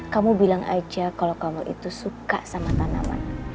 kamu bilang aja kalau kamu itu suka sama tanaman